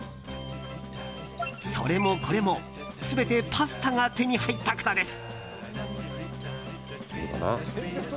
それこれも、全てパスタが手に入ったからです。